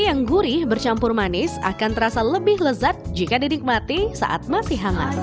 yang gurih bercampur manis akan terasa lebih lezat jika didikmati saat masih hangat